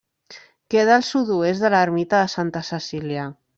Queda al sud-oest de l'ermita de Santa Cecília.